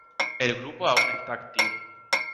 El grupo aún está en activo.